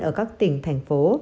ở các tỉnh thành phố